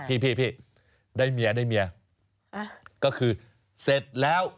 พี่ได้เมียก็คือเสร็จแล้ว